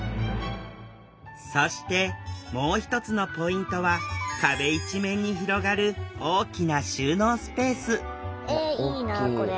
そしてもう一つのポイントは壁一面に広がる大きな収納スペースえいいなこれ。